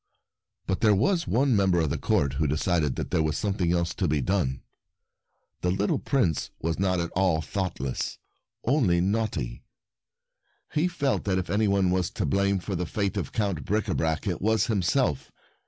But there was one mem ber of the court who decided that there was something else and the Dragons 63 to be done. The little Prince was not at all thoughtless, only naughty. He felt that if any one was to blame for the fate of Count Bricabrac it was himself.